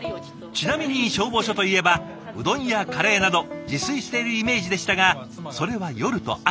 ちなみに消防署といえばうどんやカレーなど自炊しているイメージでしたがそれは夜と朝。